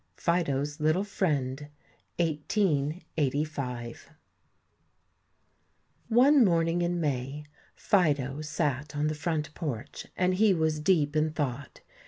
+FIDO'S LITTLE FRIEND+ FIDO'S LITTLE FRIEND One morning in May Fido sat on the front porch, and he was deep in thought.